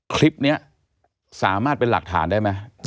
คลิปนี้สามารถเป็นหลักฐานได้ไหม